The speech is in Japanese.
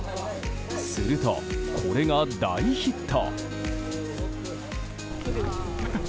すると、これが大ヒット。